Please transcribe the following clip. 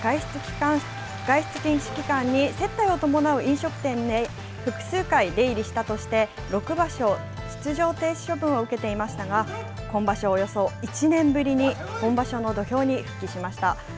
外出禁止期間に接待を伴う飲食店で複数回出入りしたとして、６場所出場停止処分を受けていましたが、今場所、およそ１年ぶりに本場所の土俵に復帰しました。